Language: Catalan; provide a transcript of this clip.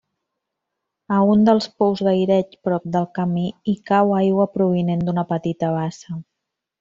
A un dels pous d'aireig prop del camí hi cau aigua provinent d'una petita bassa.